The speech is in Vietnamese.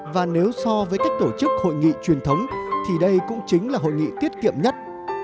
và nếu so với cách tổ chức hội nghị truyền thống thì đây cũng chính là hội nghị tiết kiệm nhất